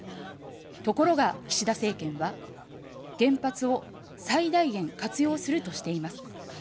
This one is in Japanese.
ところが、岸田政権は、原発を最大限活用するとしています。